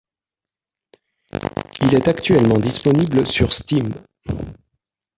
Il est actuellement disponible sur Steam.